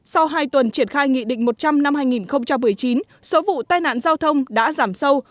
sau hai tuần triển khai nghị định một trăm linh năm hai nghìn một mươi chín số vụ tai nạn giao thông đã giảm sâu